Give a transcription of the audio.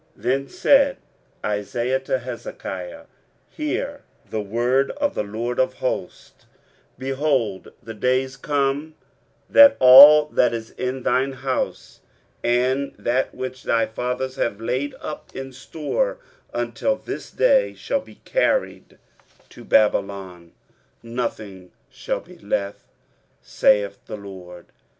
23:039:005 Then said Isaiah to Hezekiah, Hear the word of the LORD of hosts: 23:039:006 Behold, the days come, that all that is in thine house, and that which thy fathers have laid up in store until this day, shall be carried to Babylon: nothing shall be left, saith the LORD.